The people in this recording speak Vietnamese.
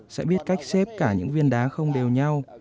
sẽ biết cách xếp cả những viên đá không đều nhau